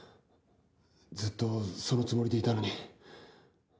ずっとそのつもりでいたのに。